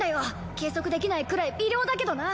計測できないくらい微量だけどな。